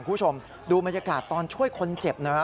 คุณผู้ชมดูบรรยากาศตอนช่วยคนเจ็บนะฮะ